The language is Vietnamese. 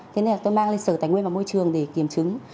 thế nên là tôi mang lên sở tài nguyên và môi trường để kiểm chứng